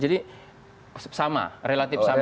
jadi sama relatif sama